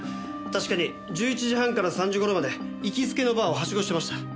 確かに１１時半から３時頃まで行きつけのバーをハシゴしてました。